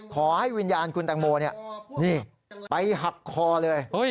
ขอให้วิญญาณคุณแตงโมนี่ไปหักคอเลย